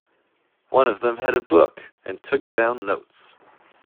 One of them had a book, and took down notes.